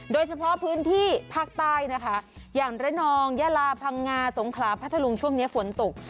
โดยเฉพาะพื้นที่ภาคใต้นะคะอย่างระนองยาลาพังงาสงขลาพัทธลุงช่วงนี้ฝนตก